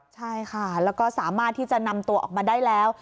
ใช่ค่ะแล้วก็สามารถที่จะนำตัวออกมาได้แล้ว